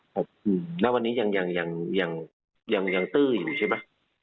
อืมแล้ววันนี้ยังยังยังยังยังยังตื้ออยู่ใช่ไหม